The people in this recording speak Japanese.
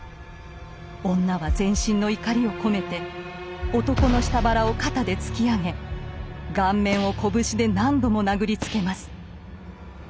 女は全身の怒りを込めて男の下腹を肩で突き上げ顔面を拳で何度も殴りつけます。